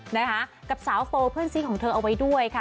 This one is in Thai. นะคะกับสาวโฟเพื่อนซีของเธอเอาไว้ด้วยค่ะ